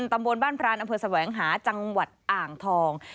ตำบลบ้านพรานอำเภอแสวงหาจังหวัดอ่างทอง